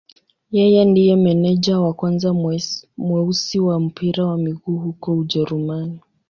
Yeye ndiye meneja wa kwanza mweusi wa mpira wa miguu huko Ujerumani.